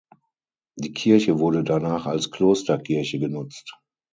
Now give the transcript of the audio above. Die Kirche wurde danach als Klosterkirche genutzt.